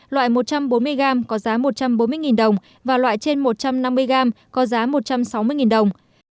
loại một trăm bốn mươi g có giá một trăm bốn mươi đồng và loại trên một trăm năm mươi gram có giá một trăm sáu mươi đồng